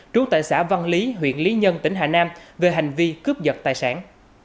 trú tại xã văn lý huyện lý nhân tỉnh hà nam về hành vi cướp giật tài sản